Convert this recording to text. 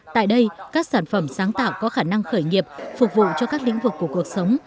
tại đây các sản phẩm sáng tạo có khả năng khởi nghiệp phục vụ cho các lĩnh vực của cuộc sống